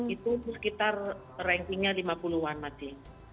itu sekitar rankingnya lima puluh an masih